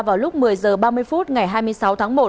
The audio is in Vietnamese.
vào lúc một mươi h ba mươi phút ngày hai mươi sáu tháng một